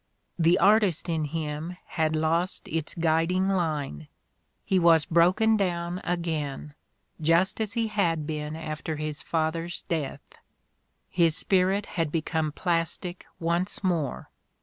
The artist in him had lost its guiding line; he was "broken down" again, just as he had been after his father 's death ; his spirit had become plastic once more.